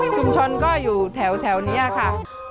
ชุมชนก็อยู่แถวนี้ค่ะ